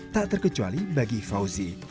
tak terkecuali bagi fauzi